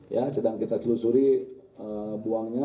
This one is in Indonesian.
ya sedang kita selusuri buangnya